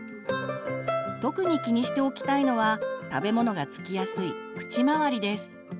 特に気にしておきたいのは食べ物が付きやすい口周りです。